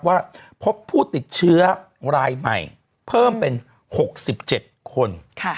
ว่าพบผู้ติดเชื้อรายใหม่เพิ่มเป็น๖๗คน